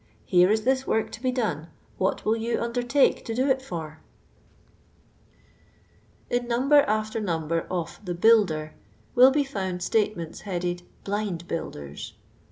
" Here is this work to be don.*, what will you underuike to do it for ?'* In number ai'ter number of the liuthfcr will be found statements headed "Blind Builders."